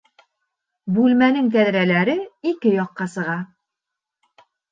Бүлмәнең тәҙрәләре ике яҡҡа сыға